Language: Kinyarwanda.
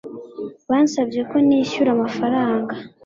bansabye ko nishyura amafaranga